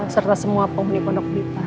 serta semua penghuni pondok pelita